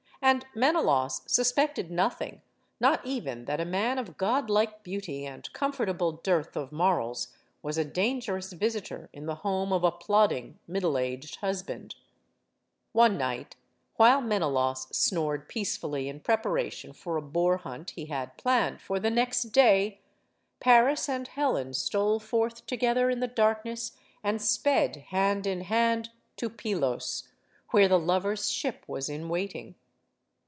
And Menelaus suspected nothing, not even that a man of godlike beauty and comfortable dearth of morals was a dangerous visitor in the home of a plodding, middleaged husband. 72 STORIES OF THE SUPER WOMEN One night while Menelaus snored peacefully in preparation for a boar hunt he had planned for the next day Paris and Helen stole forth together in the darkness and sped, hand in hand, to Pylos, where the lover's ship was in waiting.